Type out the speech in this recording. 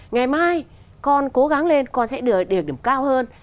ngày mai con cố gắng lên con sẽ được điểm cao hơn